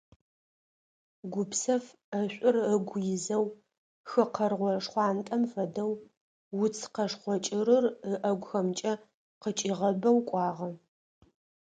Гупсэф ӀэшӀур ыгу изэу, хы къэргъо шхъуантӀэм фэдэу, уц къэшхъо кӀырыр ыӀэгухэмкӀэ къычӀигъэбэу кӀуагъэ.